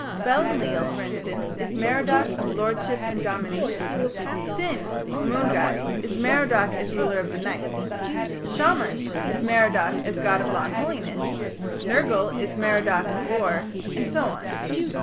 Bel Enlil, for instance, is Merodach of lordship and domination; Sin, the moon god, is Merodach as ruler of night; Shamash is Merodach as god of law and holiness; Nergal is Merodach of war; and so on.